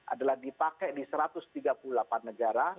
adalah dipakai di satu ratus tiga puluh delapan negara